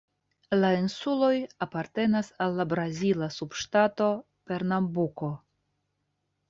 La insuloj apartenas al la brazila subŝtato Pernambuko.